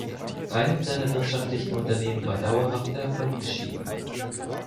Keinem seiner wirtschaftlichen Unternehmen war dauerhafter Erfolg beschieden.